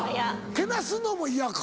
けなすのも嫌か。